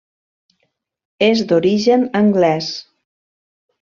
És d'origen anglès.